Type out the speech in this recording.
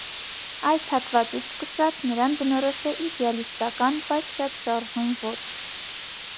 Այս հատվածից սկսած՝ նրան բնորոշ է իդեալիստական, բայց շատ շարժուն ոճ։